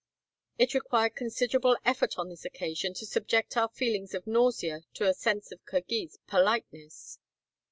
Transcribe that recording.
It required considerable effort on this occasion to subject our feelings of nausea to a sense of Kirghiz politeness.